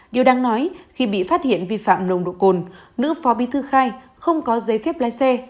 điều đáng nói khi bị phát hiện vi phạm nồng độ cồn nữ phó bi thư khai không có giấy phép lái xe